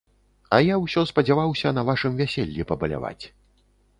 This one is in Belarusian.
А я ўсё спадзяваўся на вашым вяселлі пабаляваць.